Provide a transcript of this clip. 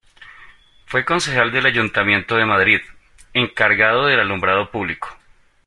Fue concejal del Ayuntamiento de Madrid, encargado del alumbrado público.